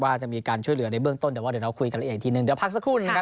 ว่าจะมีการช่วยเหลือในเบื้องต้นแต่ว่าเดี๋ยวเราคุยกันละเอียดอีกทีหนึ่งเดี๋ยวพักสักครู่หนึ่งนะครับ